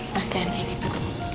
mas jangan kayak gitu